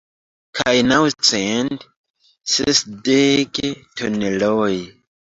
Kaj naŭcent sesdek toneloj.